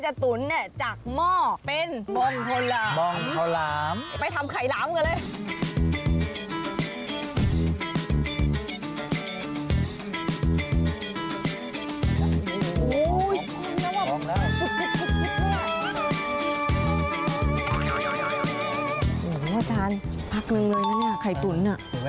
ขายเค็มมาแล้ว